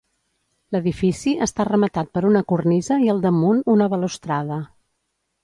L'edifici està rematat per una cornisa i al damunt una balustrada.